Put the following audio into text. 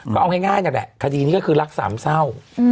ก็เอาง่ายนั่นแหละคดีนี้ก็คือรักสามเศร้า